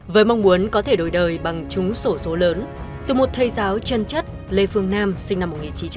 với mong muốn có thể đổi đời bằng chúng sổ số lớn từ một thầy giáo chân chất lê phương nam sinh năm một nghìn chín trăm bảy mươi